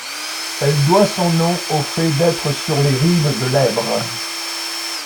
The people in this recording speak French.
Elle doit son nom au fait d'être sur les rives de l'Èbre.